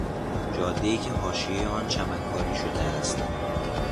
جادهای که حاشیهی آن چمنکاری شده است